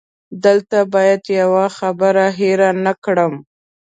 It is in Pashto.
دلته باید یوه خبره هېره نه کړم.